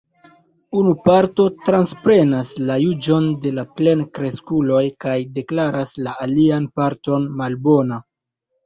Unu parto transprenas la juĝon de la plenkreskuloj kaj deklaras la alian parton malbona.